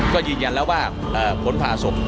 ก็ยืนยันแล้วว่าผลผ่าศพ